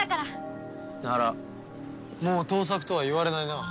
ならもう「トウサク」とは言われないな。